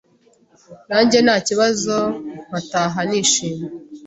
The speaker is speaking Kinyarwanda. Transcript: nanjye nakibazo nkataha nishimye